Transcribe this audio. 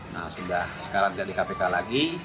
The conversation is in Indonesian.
nah sudah sekarang jadi kpk lagi